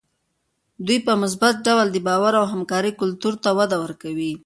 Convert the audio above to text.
دوی په مثبت ډول د باور او همکارۍ کلتور ته وده ورکوي.